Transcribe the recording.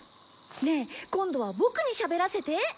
ねえ今度はボクにしゃべらせて。